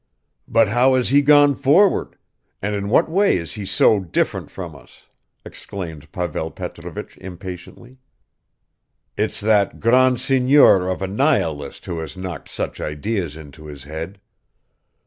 "But how has he gone forward? And in what way is he so different from us?" exclaimed Pavel Petrovich impatiently. "It's that grand seigneur of a nihilist who has knocked such ideas into his head.